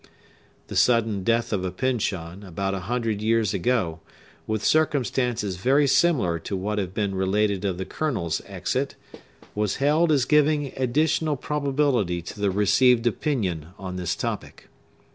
The sudden death of a Pyncheon, about a hundred years ago, with circumstances very similar to what have been related of the Colonel's exit, was held as giving additional probability to the received opinion on this topic.